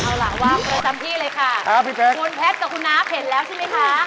เอาล่ะวางประจำที่เลยค่ะคุณเพชรกับคุณน้าเห็นแล้วใช่ไหมคะ